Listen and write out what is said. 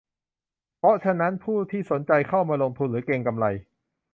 เพราะฉะนั้นผู้ที่สนใจเข้ามาลงทุนหรือเก็งกำไร